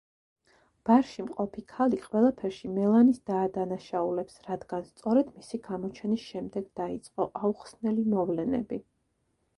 ბარში მყოფი ქალი ყველაფერში მელანის დაადანაშაულებს, რადგან სწორედ მისი გამოჩენის შემდეგ დაიწყო აუხსნელი მოვლენები.